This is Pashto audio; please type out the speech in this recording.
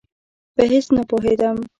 په هېڅ نه پوهېدم.